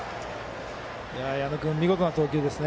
矢野君、見事な投球です。